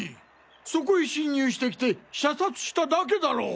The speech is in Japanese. そこへ侵入してきて射殺しただけだろう？